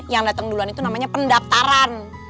yang datang duluan itu namanya pendaftaran